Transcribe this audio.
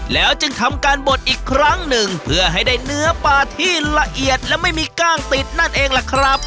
แล้วจึงทำการบดอีกครั้งหนึ่งเพื่อให้ได้เนื้อปลาที่ละเอียดและไม่มีกล้างติดนั่นเองล่ะครับ